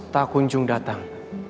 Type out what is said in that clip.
tak kunjung datang